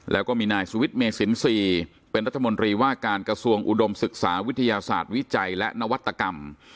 แล้วก็มีนายสุวิทย์เมสินทรีย์เป็นรัฐมนตรีว่าการกระทรวงอุดมศึกษาวิทยาศาสตร์วิจัยและนวัตกรรม